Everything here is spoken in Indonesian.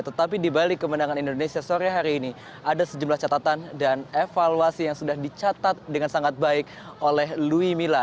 tetapi dibalik kemenangan indonesia sore hari ini ada sejumlah catatan dan evaluasi yang sudah dicatat dengan sangat baik oleh louis mila